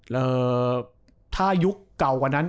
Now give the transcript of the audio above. เอ่อถ้ายุคเก่ากว่านั้น